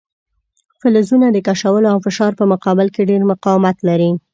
فلزونه د کشولو او فشار په مقابل کې ډیر مقاومت لري.